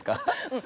うん。